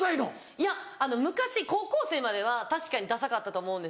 いや昔高校生までは確かにダサかったと思うんですよ。